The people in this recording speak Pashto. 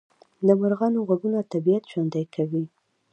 د مرغانو غږونه طبیعت ژوندی کوي